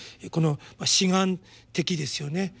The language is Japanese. この此岸的ですよね。